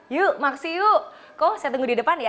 you maksih you kok saya tunggu di depan ya